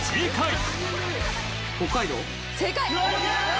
正解！